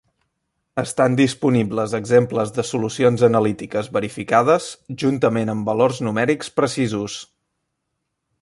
Estan disponibles exemples de solucions analítiques verificades juntament amb valors numèrics precisos.